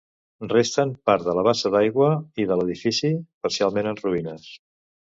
Resten part de la bassa d'aigua i de l'edifici, parcialment en ruïnes.